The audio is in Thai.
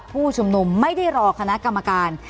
ผู้ชุมนุมไม่ได้รอคณะกรรมการ